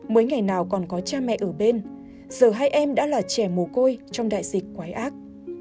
mới ngày nào còn có cha mẹ ở bên giờ hai em đã là trẻ mồ côi trong đại dịch quái ác